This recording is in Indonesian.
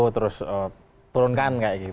terus turunkan kayak gitu